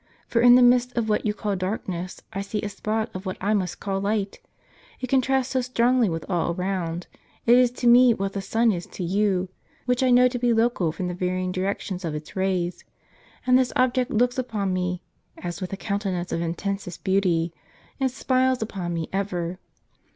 For in the midst of what you call darkness, I see a spot of what I must call light, it contrasts so strongly with all around. It is to me what the sun is to you, which I know to be local from the varying direction of its rays. And this object looks upon me as with a countenance of intensest beauty, and smiles upon me ever.